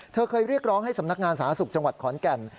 เคยเรียกร้องให้สำนักงานสาธารณสุขจังหวัดขอนแก่น